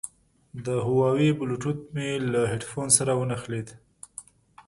د هوواوي بلوتوت مې له هیډفون سره ونښلید.